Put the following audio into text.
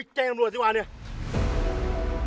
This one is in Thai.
เก่งอำรวจสิวะเนี่ย